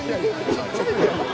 ちっちゃい。